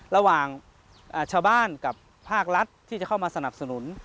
ระหว่างชาวบ้านกับภาครัฐที่จะเข้ามาสนับสนุน